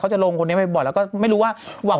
จะลงคนนี้บ่อยแล้วก็ไม่รู้ว่า